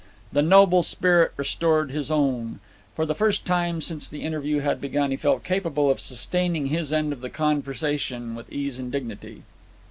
The noble spirit restored his own. For the first time since the interview had begun he felt capable of sustaining his end of the conversation with ease and dignity.